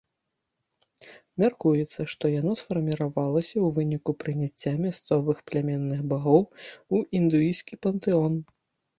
Мяркуецца, што яно сфарміравалася ў выніку прыняцця мясцовых племянных багоў у індуісцкі пантэон.